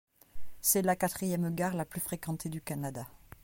C'est la quatrième gare la plus fréquentée du Canada.